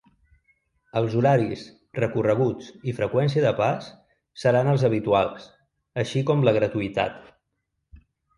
Els horaris, recorreguts i freqüència de pas seran els habituals, així com la gratuïtat.